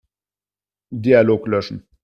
Dialog löschen.